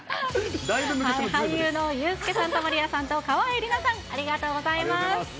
俳優のユースケさんと川栄李奈さん、ありがとうございます。